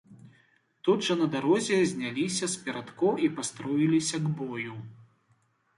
Тут жа на дарозе зняліся з перадкоў і пастроіліся к бою.